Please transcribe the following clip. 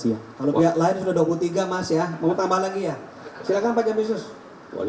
ya kalau pihak lain sudah dua puluh tiga mas ya mau tambah lagi ya silakan pak jaminsus